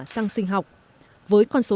xăng sinh học với con số